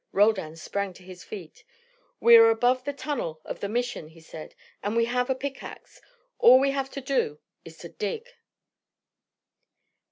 Roldan sprang to his feet. "We are above the tunnel of the Mission," he said. "And we have a pickaxe. All we have to do is to dig."